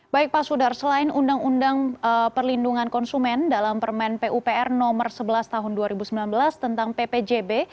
baik pak sudar selain undang undang perlindungan konsumen dalam permen pupr nomor sebelas tahun dua ribu sembilan belas tentang ppjb